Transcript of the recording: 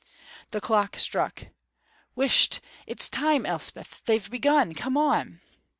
The clock struck. "Whisht! It's time, Elspeth! They've begun! Come on!"